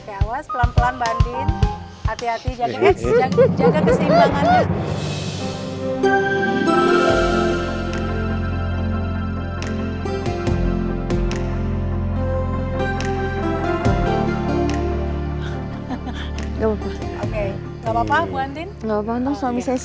pelan pelan banding hati hati